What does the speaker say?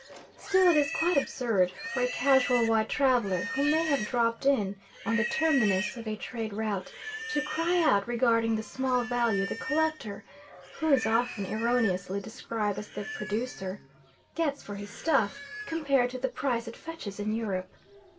Still it is quite absurd for a casual white traveller, who may have dropped in on the terminus of a trade route, to cry out regarding the small value the collector (who is often erroneously described as the producer) gets for his stuff, compared to the price it fetches in Europe.